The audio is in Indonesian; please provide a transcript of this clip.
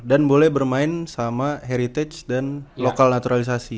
dan boleh bermain sama heritage dan local naturalisasi